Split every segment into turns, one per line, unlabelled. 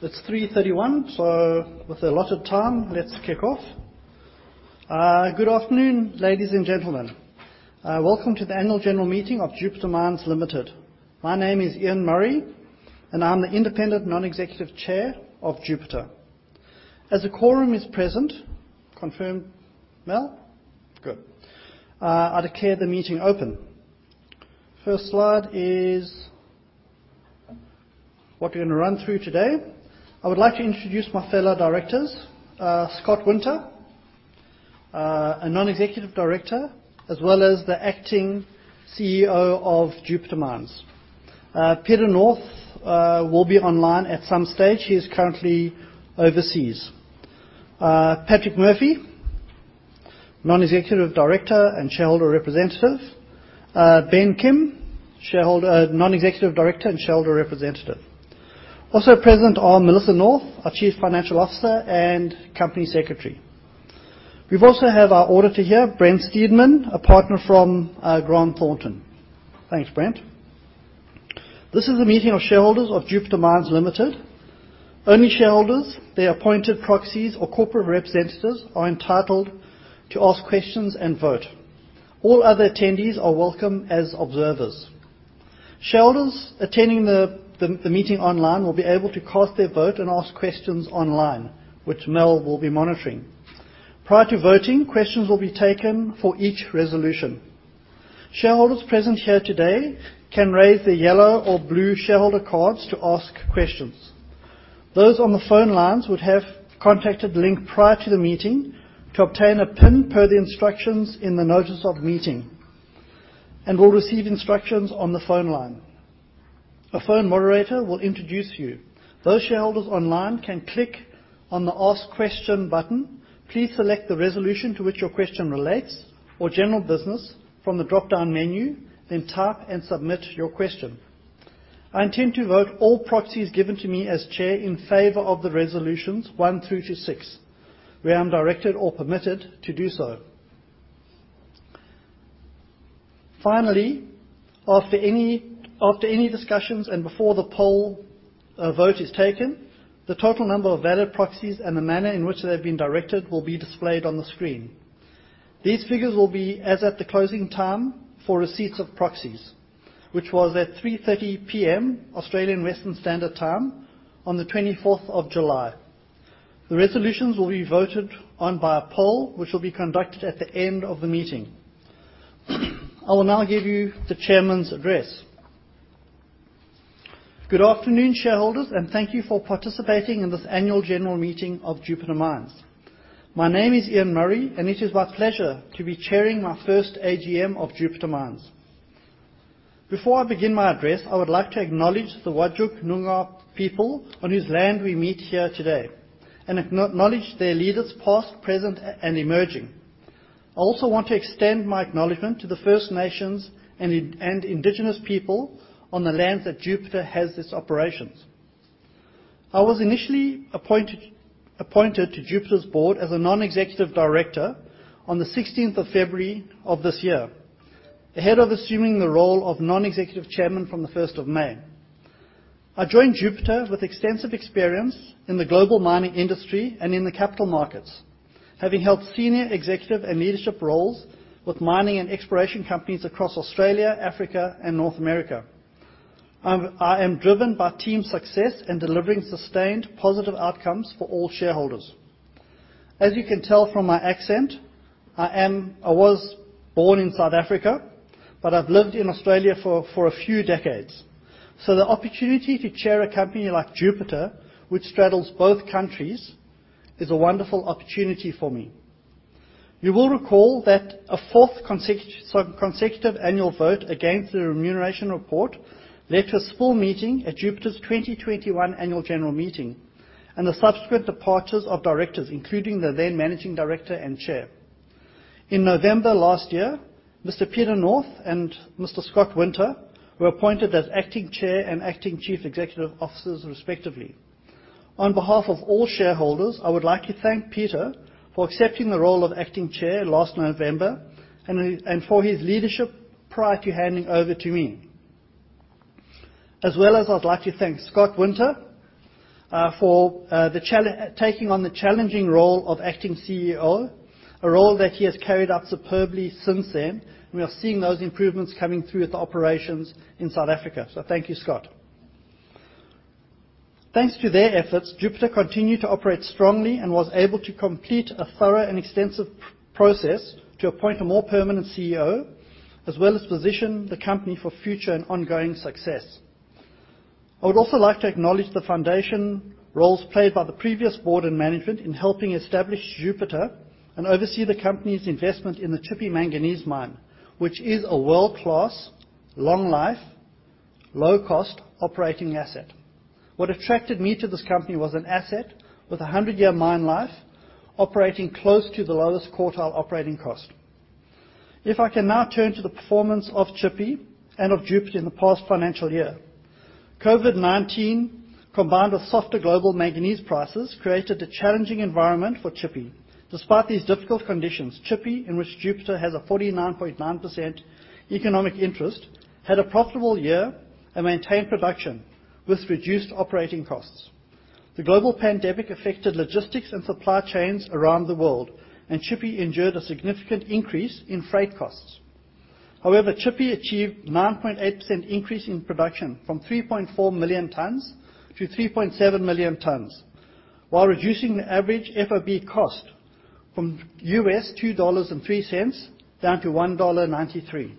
It's 3:31 P.M., with the allotted time, let's kick off. Good afternoon, ladies and gentlemen. Welcome to the Annual General Meeting of Jupiter Mines Limited. My name is Ian Murray, and I'm the Independent Non-Executive Chair of Jupiter. As the quorum is present, confirmed, Mel? Good. I declare the meeting open. First slide is what we're gonna run through today. I would like to introduce my fellow directors. Scott Winter, a non-executive director, as well as the Acting CEO of Jupiter Mines. Peter North will be online at some stage. He is currently overseas. Patrick Murphy, Non-Executive Director and shareholder representative. Ben Kim, non-executive director and shareholder representative. Also present are Melissa North, our Chief Financial Officer and Company Secretary. We've also have our auditor here, Brent Steedman, a partner from Grant Thornton. Thanks, Brent. This is a meeting of shareholders of Jupiter Mines Limited. Only shareholders, their appointed proxies, or corporate representatives are entitled to ask questions and vote. All other attendees are welcome as observers. Shareholders attending the meeting online will be able to cast their vote and ask questions online, which Mel will be monitoring. Prior to voting, questions will be taken for each resolution. Shareholders present here today can raise their yellow or blue shareholder cards to ask questions. Those on the phone lines would have contacted Link prior to the meeting to obtain a pin per the instructions in the notice of meeting and will receive instructions on the phone line. A phone moderator will introduce you. Those shareholders online can click on the Ask Question button. Please select the resolution to which your question relates or general business from the dropdown menu, then type and submit your question. I intend to vote all proxies given to me as chair in favor of the resolutions 1 through to 6, where I'm directed or permitted to do so. Finally, after any discussions and before the poll vote is taken, the total number of valid proxies and the manner in which they've been directed will be displayed on the screen. These figures will be as at the closing time for receipts of proxies, which was at 3:30 P.M., Australian Western Standard Time on the 24 of July. The resolutions will be voted on by a poll, which will be conducted at the end of the meeting. I will now give you the chairman's address. Good afternoon, shareholders, and thank you for participating in this annual general meeting of Jupiter Mines. My name is Ian Murray, and it is my pleasure to be chairing my first AGM of Jupiter Mines. Before I begin my address, I would like to acknowledge the Whadjuk Noongar people on whose land we meet here today and acknowledge their leaders past, present, and emerging. I also want to extend my acknowledgement to the First Nations and Indigenous people on the lands that Jupiter has its operations. I was initially appointed to Jupiter's board as a non-executive director on the 16th of February of this year, ahead of assuming the role of non-executive chairman from the first of May. I joined Jupiter with extensive experience in the global mining industry and in the capital markets, having held senior executive and leadership roles with mining and exploration companies across Australia, Africa, and North America. I am driven by team success in delivering sustained positive outcomes for all shareholders. As you can tell from my accent, I was born in South Africa, but I've lived in Australia for a few decades, so the opportunity to chair a company like Jupiter, which straddles both countries, is a wonderful opportunity for me. You will recall that a fourth consecutive annual vote against the remuneration report led to a spill meeting at Jupiter's 2021 annual general meeting and the subsequent departures of directors, including the then managing director and chair. In November last year, Mr. Peter North and Mr. Scott Winter were appointed as acting chair and acting chief executive officers respectively. On behalf of all shareholders, I would like to thank Peter for accepting the role of acting chair last November, and for his leadership prior to handing over to me. As well as I'd like to thank Scott Winter for taking on the challenging role of acting CEO, a role that he has carried out superbly since then. We are seeing those improvements coming through with the operations in South Africa. Thank you, Scott. Thanks to their efforts, Jupiter continued to operate strongly and was able to complete a thorough and extensive process to appoint a more permanent CEO, as well as position the company for future and ongoing success. I would also like to acknowledge the foundation roles played by the previous board and management in helping establish Jupiter and oversee the company's investment in the Tshipi Manganese Mine, which is a world-class, long life, low-cost operating asset. What attracted me to this company was an asset with a 100-year mine life operating close to the lowest quartile operating cost. If I can now turn to the performance of Tshipi and of Jupiter in the past financial year. COVID-19, combined with softer global manganese prices, created a challenging environment for Tshipi. Despite these difficult conditions, Tshipi, in which Jupiter has a 49.9% economic interest, had a profitable year and maintained production with reduced operating costs. The global pandemic affected logistics and supply chains around the world, and Tshipi endured a significant increase in freight costs. However, Tshipi achieved 9.8% increase in production from 3.4 million tons to 3.7 million tons while reducing the average FOB cost from $2.03 down to $1.93.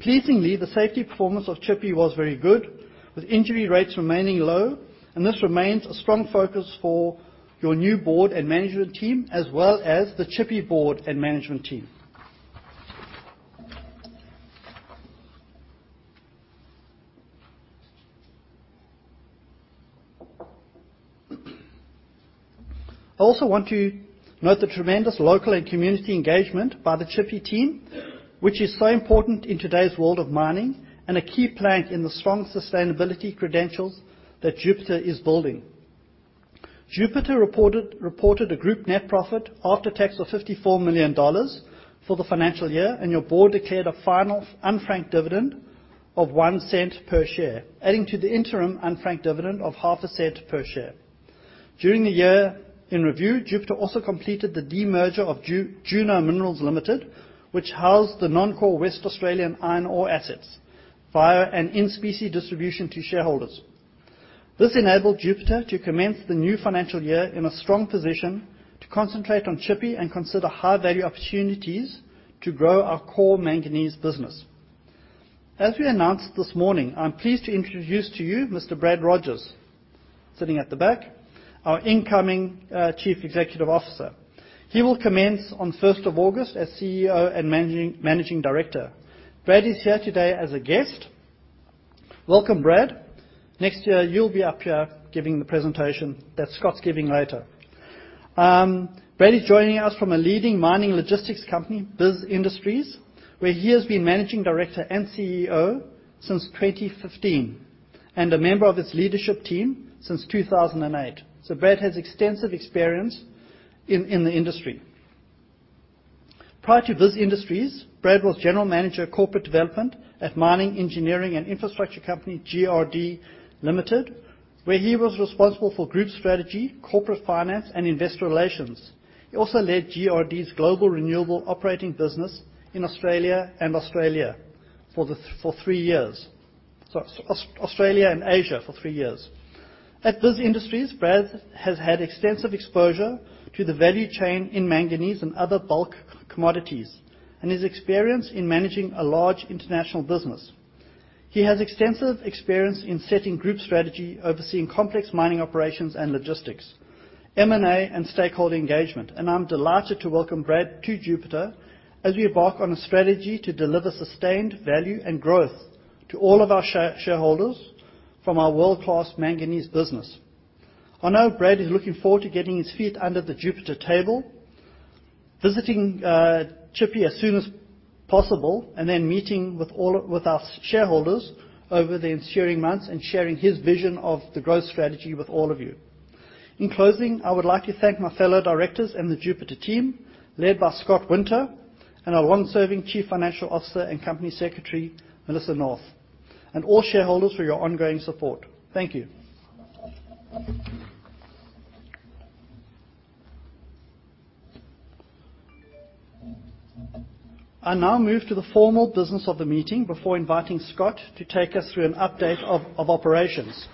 Pleasingly, the safety performance of Tshipi was very good, with injury rates remaining low, and this remains a strong focus for your new board and management team, as well as the Tshipi board and management team. I also want to note the tremendous local and community engagement by the Tshipi team, which is so important in today's world of mining and a key plank in the strong sustainability credentials that Jupiter is building. Jupiter reported a group net profit after tax of AUD 54 million for the financial year, and your board declared a final unfranked dividend of 0.01 per share, adding to the interim unfranked dividend of half a cent per share. During the year in review, Jupiter also completed the demerger of Juno Minerals Limited, which housed the non-core West Australian iron ore assets via an in-specie distribution to shareholders. This enabled Jupiter to commence the new financial year in a strong position to concentrate on Tshipi and consider high-value opportunities to grow our core manganese business. As we announced this morning, I'm pleased to introduce to you Mr. Brad Rogers, sitting at the back, our incoming Chief Executive Officer. He will commence on first of August as CEO and Managing Director. Brad is here today as a guest. Welcome, Brad. Next year, you'll be up here giving the presentation that Scott's giving later. Brad is joining us from a leading mining logistics company, Bis Industries, where he has been managing director and CEO since 2015, and a member of its leadership team since 2008. Brad has extensive experience in the industry. Prior to Bis Industries, Brad was General Manager, Corporate Development at mining, engineering, and infrastructure company GRD Limited, where he was responsible for group strategy, corporate finance, and investor relations. He also led GRD's global renewable operating business in Australia and Asia for three years. At Bis Industries, Brad has had extensive exposure to the value chain in manganese and other bulk commodities and is experienced in managing a large international business. He has extensive experience in setting group strategy, overseeing complex mining operations and logistics, M&A, and stakeholder engagement, and I'm delighted to welcome Brad to Jupiter as we embark on a strategy to deliver sustained value and growth to all of our shareholders from our world-class manganese business. I know Brad is looking forward to getting his feet under the Jupiter table, visiting Tshipi as soon as possible, and then meeting with our shareholders over the ensuing months and sharing his vision of the growth strategy with all of you. In closing, I would like to thank my fellow directors and the Jupiter team, led by Scott Winter and our long-serving Chief Financial Officer and Company Secretary, Melissa North, and all shareholders for your ongoing support. Thank you. I now move to the formal business of the meeting before inviting Scott to take us through an update of operations.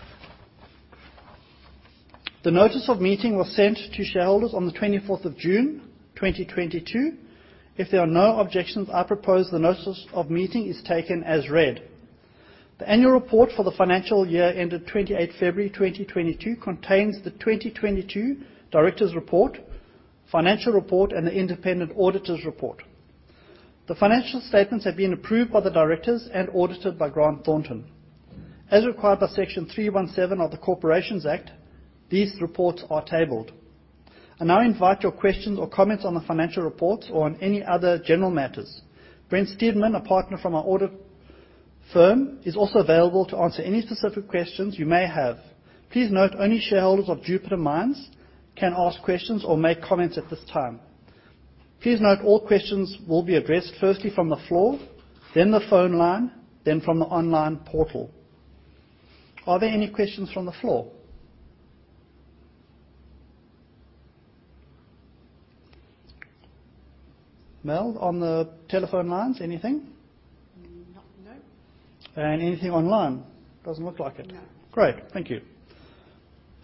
The notice of meeting was sent to shareholders on the 24th of June, 2022. If there are no objections, I propose the notice of meeting is taken as read. The annual report for the financial year ended 28 February, 2022 contains the 2022 directors' report, financial report, and the independent auditor's report. The financial statements have been approved by the directors and audited by Grant Thornton. As required by Section 317 of the Corporations Act, these reports are tabled. I now invite your questions or comments on the financial reports or on any other general matters. Brent Steedman, a partner from our audit firm, is also available to answer any specific questions you may have. Please note, only shareholders of Jupiter Mines can ask questions or make comments at this time. Please note all questions will be addressed first from the floor, then the phone line, then from the online portal. Are there any questions from the floor? Mel, on the telephone lines, anything?
No.
Anything online? Doesn't look like it.
No.
Great. Thank you.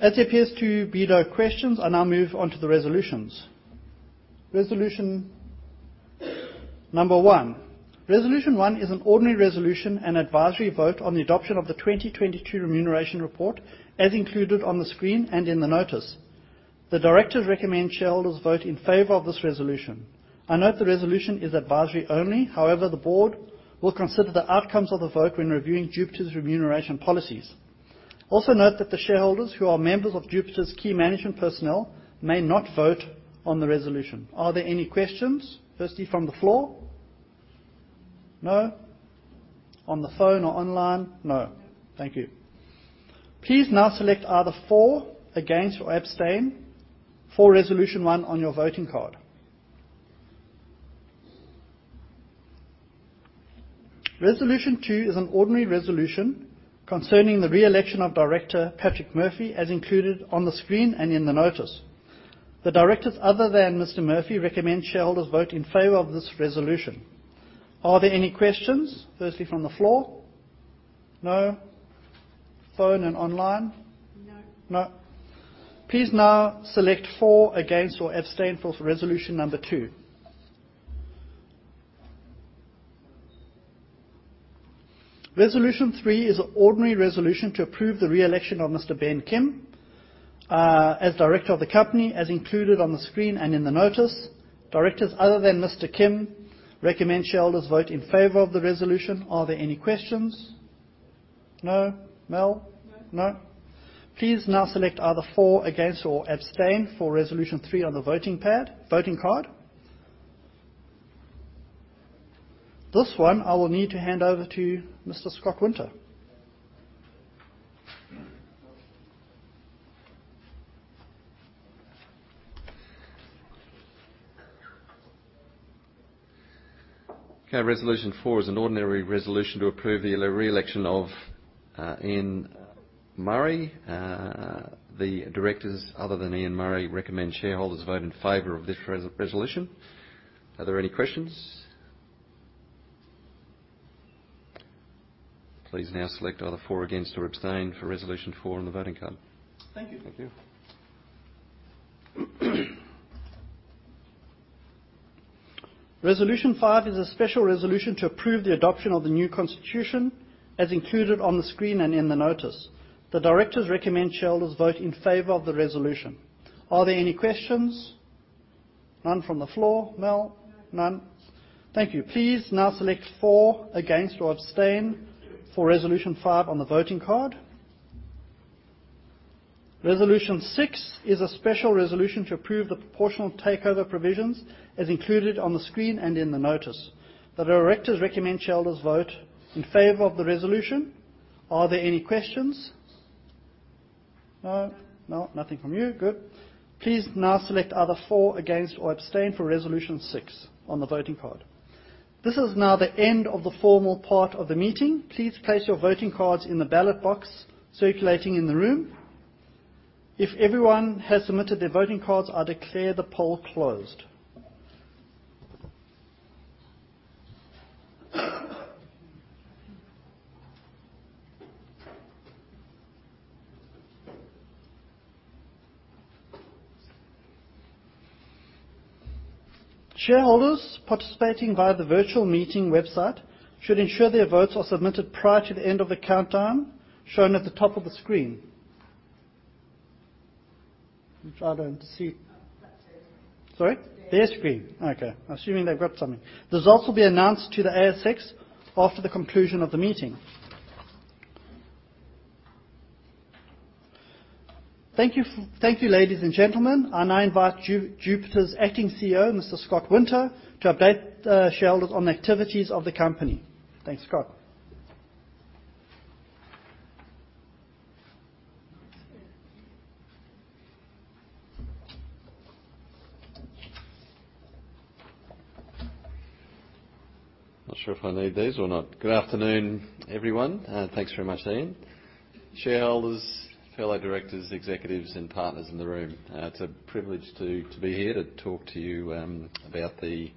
As there appears to be no questions, I now move on to the resolutions. Resolution number one. Resolution one is an ordinary resolution, an advisory vote on the adoption of the 2022 remuneration report as included on the screen and in the notice. The directors recommend shareholders vote in favor of this resolution. I note the resolution is advisory only. However, the board will consider the outcomes of the vote when reviewing Jupiter's remuneration policies. Also note that the shareholders who are members of Jupiter's key management personnel may not vote on the resolution. Are there any questions, firstly from the floor? No. On the phone or online? No. Thank you. Please now select either for, against, or abstain for resolution one on your voting card. Resolution two is an ordinary resolution concerning the re-election of Director Patrick Murphy as included on the screen and in the notice. The directors, other than Mr. Murphy, recommend shareholders vote in favor of this resolution. Are there any questions, firstly, from the floor? No. Phone and online?
No.
No. Please now select for, against, or abstain for resolution number two. Resolution three is an ordinary resolution to approve the re-election of Mr. Bo Sung Kim as Director of the Company as included on the screen and in the notice. Directors other than Mr. Bo Sung Kim recommend shareholders vote in favor of the resolution. Are there any questions? No. Mel?
No.
No. Please now select either for, against, or abstain for resolution three on the voting pad, voting card. This one I will need to hand over to Mr. Scott Winter.
Okay. Resolution four is an ordinary resolution to approve the re-election of Ian Murray. The directors other than Ian Murray recommend shareholders vote in favor of this resolution. Are there any questions? Please now select either for, against, or abstain for resolution four on the voting card.
Thank you.
Thank you.
Resolution five is a special resolution to approve the adoption of the new constitution as included on the screen and in the notice. The directors recommend shareholders vote in favor of the resolution. Are there any questions? None from the floor. Mel?
No.
None. Thank you. Please now select for, against, or abstain for resolution five on the voting card. Resolution six is a special resolution to approve the proportional takeover provisions as included on the screen and in the notice. The directors recommend shareholders vote in favor of the resolution. Are there any questions? No. Mel, nothing from you. Good. Please now select either for, against, or abstain for resolution six on the voting card. This is now the end of the formal part of the meeting. Please place your voting cards in the ballot box circulating in the room. If everyone has submitted their voting cards, I'll declare the poll closed. Shareholders participating via the virtual meeting website should ensure their votes are submitted prior to the end of the countdown shown at the top of the screen, which I don't see.
That's their screen.
Sorry?
Their screen.
Their screen. Okay. I'm assuming they've got something. The results will be announced to the ASX after the conclusion of the meeting. Thank you, ladies and gentlemen. I now invite Jupiter's Acting CEO, Mr. Scott Winter, to update shareholders on the activities of the company. Thanks, Scott.
Good afternoon, everyone, thanks very much, Ian. Shareholders, fellow directors, executives and partners in the room, it's a privilege to be here to talk to you about the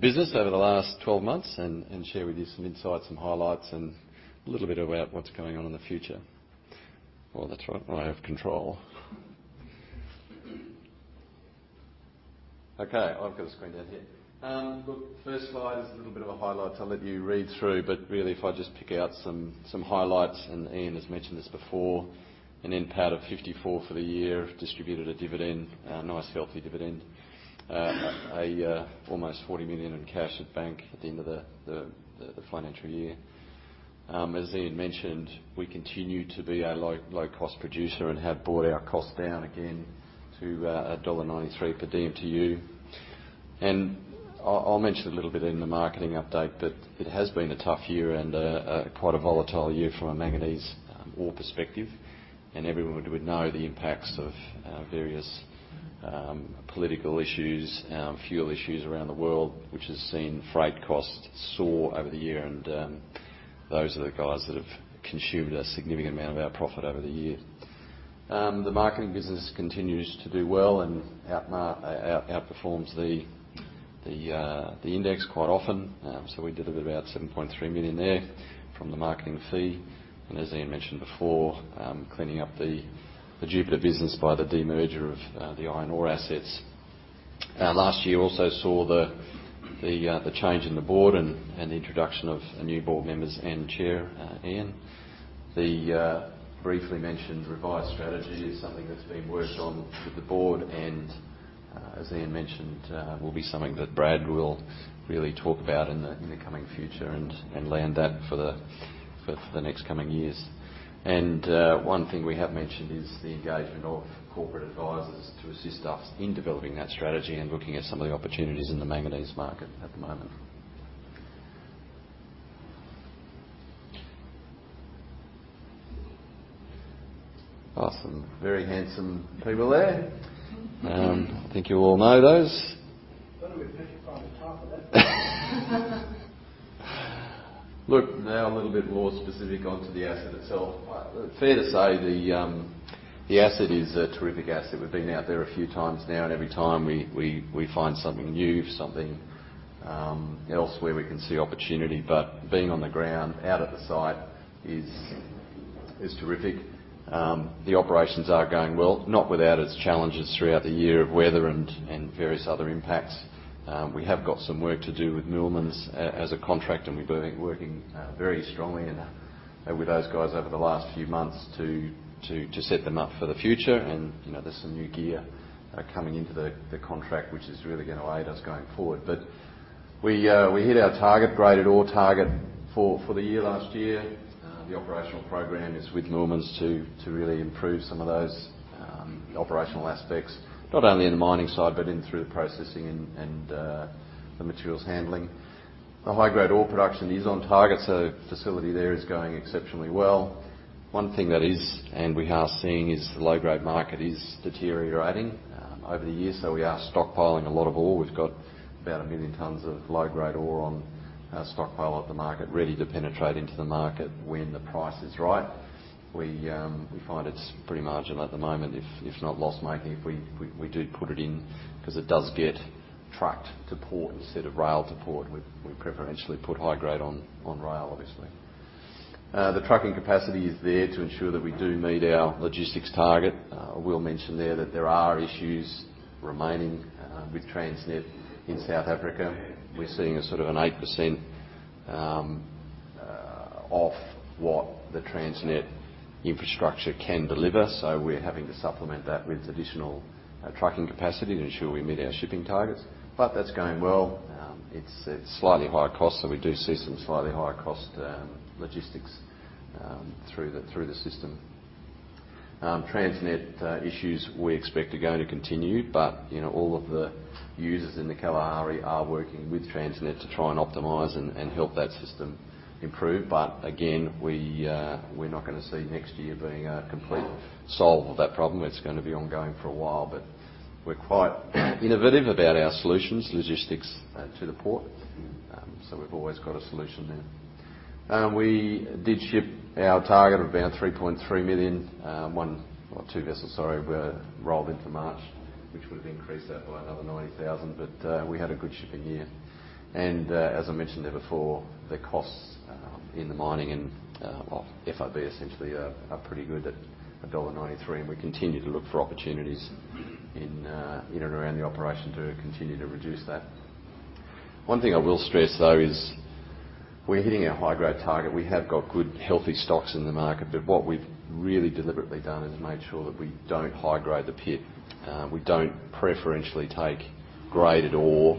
business over the last 12 months and share with you some insights and highlights and a little bit about what's going on in the future. While that's right where I have control. Okay, I've got a screen down here. Look, the first slide is a little bit of a highlights. I'll let you read through, but really if I just pick out some highlights, and Ian has mentioned this before, an NPAT of 54 for the year, distributed a dividend, a nice, healthy dividend. Almost 40 million in cash at bank at the end of the financial year. As Ian mentioned, we continue to be a low-cost producer and have brought our costs down again to $1.93 per DMTU. I'll mention a little bit in the marketing update that it has been a tough year and quite a volatile year from a manganese ore perspective. Everyone would know the impacts of various political issues, fuel issues around the world, which has seen freight costs soar over the year and those are the guys that have consumed a significant amount of our profit over the year. The marketing business continues to do well and outperforms the index quite often. We did about 7.3 million there from the marketing fee and as Ian mentioned before, cleaning up the Jupiter business by the demerger of the iron ore assets. Last year also saw the change in the board and the introduction of new board members and chair, Ian. The briefly mentioned revised strategy is something that's being worked on with the board and as Ian mentioned, will be something that Brad will really talk about in the coming future and land that for the next coming years. One thing we have mentioned is the engagement of corporate advisors to assist us in developing that strategy and looking at some of the opportunities in the manganese market at the moment. Awesome. Very handsome people there. I think you all know those. Don't know if we'll ever find the time for that. Look, now a little bit more specific onto the asset itself. Fair to say the asset is a terrific asset. We've been out there a few times now, and every time we find something new, something else where we can see opportunity. Being on the ground, out at the site is terrific. The operations are going well, not without its challenges throughout the year of weather and various other impacts. We have got some work to do with Moolmans as a contract, and we've been working very strongly and with those guys over the last few months to set them up for the future. You know, there's some new gear coming into the contract, which is really gonna aid us going forward. We hit our target, graded ore target for the year last year. The operational program is with Moolmans to really improve some of those operational aspects, not only in the mining side, but through the processing and the materials handling. The high-grade ore production is on target, so the facility there is going exceptionally well. One thing that we are seeing is the low-grade market is deteriorating over the years, so we are stockpiling a lot of ore. We've got about 1 million tons of low-grade ore on stockpile at the market, ready to penetrate into the market when the price is right. We find it's pretty marginal at the moment, if not loss-making, if we do put it in because it does get trucked to port instead of rail to port. We preferentially put high grade on rail, obviously. The trucking capacity is there to ensure that we do meet our logistics target. I will mention there that there are issues remaining with Transnet in South Africa. We're seeing a sort of 8% off what the Transnet infrastructure can deliver, so we're having to supplement that with additional trucking capacity to ensure we meet our shipping targets. That's going well. It's slightly higher cost, so we do see some slightly higher cost logistics through the system. Transnet issues we expect are going to continue, but, you know, all of the users in the Kalahari are working with Transnet to try and optimize and help that system improve. Again, we're not gonna see next year being a complete solve of that problem. It's gonna be ongoing for a while, but we're quite innovative about our solutions, logistics to the port. We've always got a solution there. We did ship our target of about 3.3 million. One or two vessels, sorry, were rolled into March, which would have increased that by another 90,000. We had a good shipping year. As I mentioned there before, the costs in the mining and FOB essentially are pretty good at $1.93, and we continue to look for opportunities in and around the operation to continue to reduce that. One thing I will stress, though, is we're hitting our high grade target. We have got good, healthy stocks in the market, but what we've really deliberately done is made sure that we don't high grade the pit. We don't preferentially take graded ore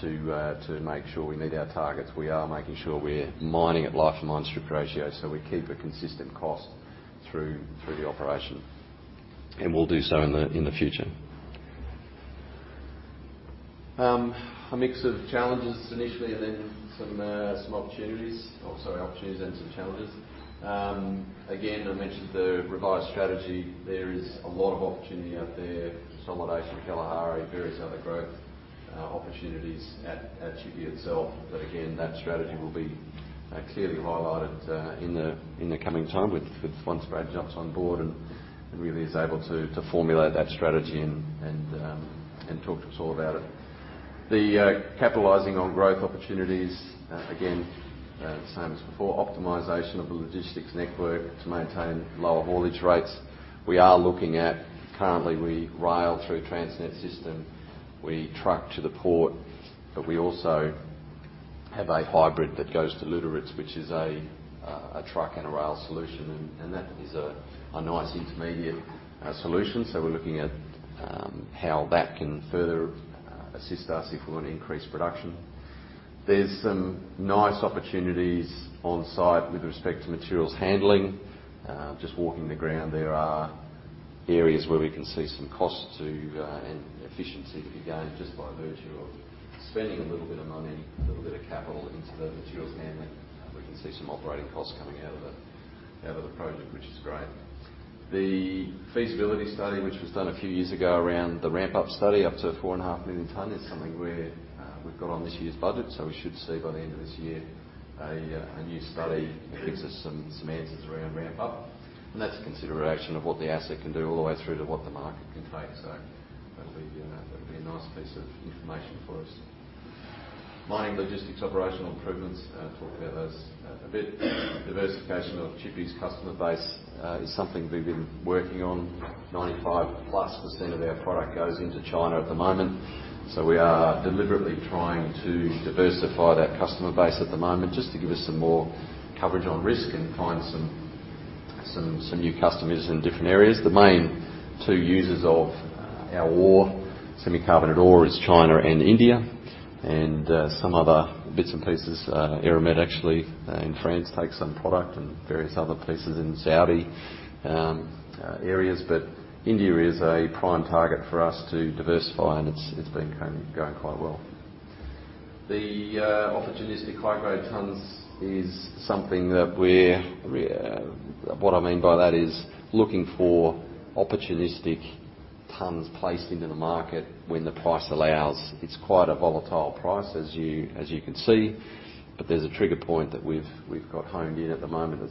to make sure we meet our targets. We are making sure we're mining at life-of-mine strip ratio, so we keep a consistent cost through the operation. We'll do so in the future. A mix of opportunities and some challenges. Again, I mentioned the revised strategy. There is a lot of opportunity out there. Consolidation, Kalahari, various other growth opportunities at Tshipi itself. Again, that strategy will be clearly highlighted in the coming time with Brad Rogers who's now on board and really is able to formulate that strategy and talk to us all about it. Capitalizing on growth opportunities, again, same as before, optimization of the logistics network to maintain lower haulage rates. We are looking at currently, we rail through Transnet system. We truck to the port, but we also have a hybrid that goes to Lüderitz, which is a truck and a rail solution, and that is a nice intermediate solution. We're looking at how that can further assist us if we want to increase production. There's some nice opportunities on site with respect to materials handling. Just walking the ground, there are areas where we can see some costs and efficiency to be gained just by virtue of spending a little bit of money, a little bit of capital into the materials handling. We can see some operating costs coming out of the project, which is great. The feasibility study, which was done a few years ago around the ramp-up study, up to 4.5 million ton, is something where we've got on this year's budget. We should see by the end of this year a new study that gives us some answers around ramp-up. That's a consideration of what the asset can do all the way through to what the market can take. That'll be a nice piece of information for us. Mining logistics, operational improvements, talked about those a bit. Diversification of Tshipi's customer base is something we've been working on. 95%+ of our product goes into China at the moment, so we are deliberately trying to diversify that customer base at the moment just to give us some more coverage on risk and find some new customers in different areas. The main two users of our semi-carbonate ore, is China and India, and some other bits and pieces. Eramet actually in France takes some product and various other places in Saudi areas. India is a prime target for us to diversify, and it's been going quite well. Opportunistic high grade tons is something that we're. What I mean by that is looking for opportunistic tons placed into the market when the price allows. It's quite a volatile price as you can see, but there's a trigger point that we've got honed in at the moment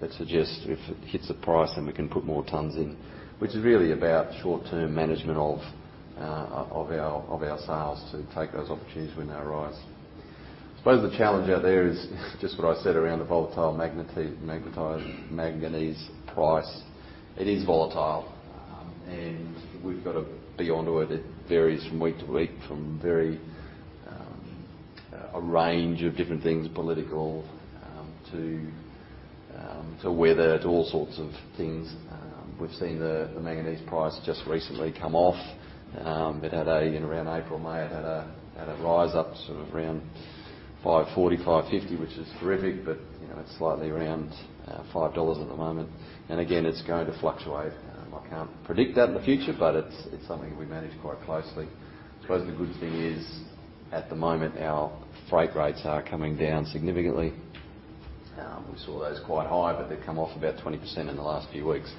that suggest if it hits a price then we can put more tons in. Which is really about short-term management of our sales to take those opportunities when they arise. I suppose the challenge out there is just what I said around the volatile manganese price. It is volatile, and we've got to be onto it. It varies from week to week, from very a range of different things, political to weather, to all sorts of things. We've seen the manganese price just recently come off. It had, you know, around April, May, a rise up sort of around $5.40-$5.50, which is terrific, but, you know, it's slightly around $5 at the moment. Again, it's going to fluctuate. I can't predict that in the future, but it's something we manage quite closely. I suppose the good thing is at the moment our freight rates are coming down significantly. We saw those quite high, but they've come off about 20% in the last few weeks.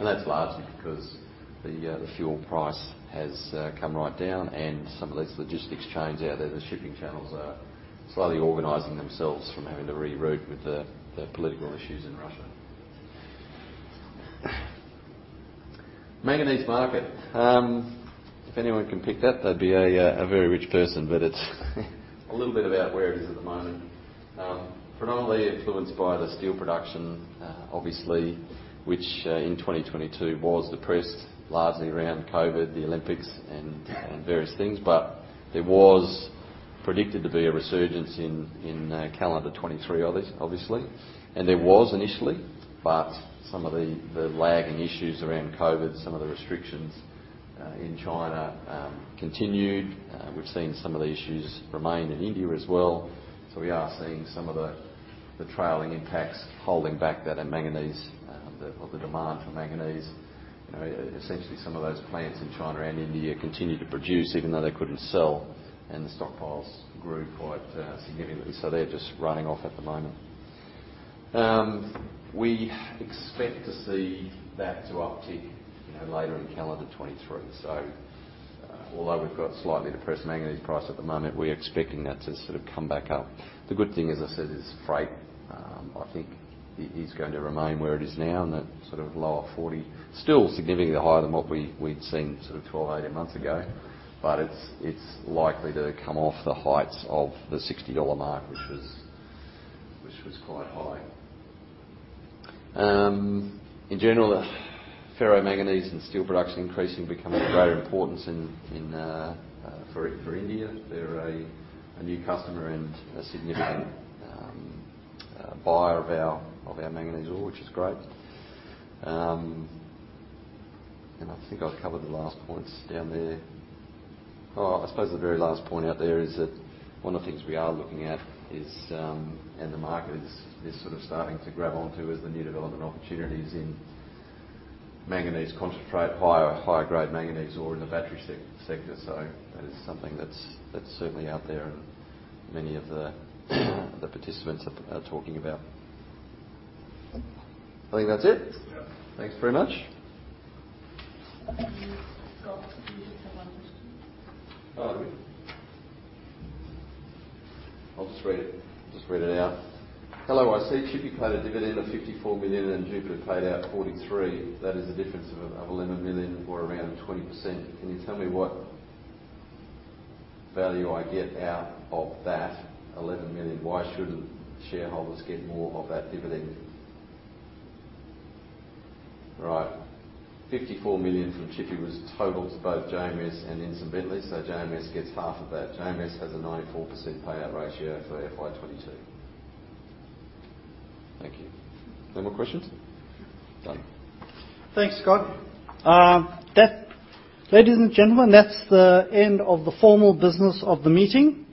That's largely because the fuel price has come right down and some of these logistics chains out there, the shipping channels are slightly organizing themselves from having to reroute with the political issues in Russia. Manganese market. If anyone can pick that, they'd be a very rich person. It's a little bit about where it is at the moment, predominantly influenced by the steel production, obviously, which in 2022 was depressed largely around COVID, the Olympics and various things. There was predicted to be a resurgence in calendar 2023 obviously, and there was initially. Some of the lagging issues around COVID, some of the restrictions in China continued. We've seen some of the issues remain in India as well. We are seeing some of the trailing impacts holding back the demand for manganese. Essentially some of those plants in China and India continued to produce even though they couldn't sell and the stockpiles grew quite significantly. They're just running off at the moment. We expect to see that uptick later in calendar 2023. Although we've got slightly depressed manganese price at the moment, we're expecting that to sort of come back up. The good thing, as I said, is freight. I think it is going to remain where it is now in that sort of lower 40. Still significantly higher than what we'd seen sort of 12, 18 months ago, but it's likely to come off the heights of the $60 mark, which was quite high. In general, the ferro manganese and steel production increasingly becoming of greater importance in India. They're a new customer and a significant buyer of our manganese ore, which is great. I think I've covered the last points down there. Oh, I suppose the very last point out there is that one of the things we are looking at, and the market is sort of starting to grab on to, is the new development opportunities in manganese concentrate, higher grade manganese ore in the battery sector. That is something that's certainly out there and many of the participants are talking about. I think that's it.
Yeah.
Thanks very much.
Scott, you just have one question.
Oh, do we? I'll just read it. Just read it out. "Hello. I see Tshipi paid a dividend of 54 million and Jupiter paid out 43 million. That is a difference of eleven million or around 20%. Can you tell me what value I get out of that 11 million? Why shouldn't shareholders get more of that dividend?" Right. 54 million from Tshipi was total to both JMS and Ntsimbintle. So JMS gets half of that. JMS has a 94% payout ratio for FY 2022. Thank you. No more questions? Done.
Thanks, Scott. Ladies and gentlemen, that's the end of the formal business of the meeting.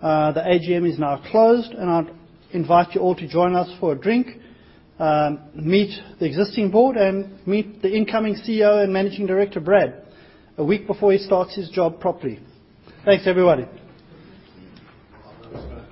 The AGM is now closed, and I'd invite you all to join us for a drink, meet the existing board and meet the incoming CEO and Managing Director, Brad, a week before he starts his job properly. Thanks, everybody.